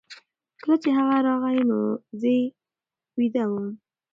کله چې هغه راغی نو زه ویده وم.